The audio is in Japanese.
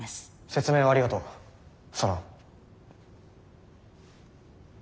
説明をありがとうソロン。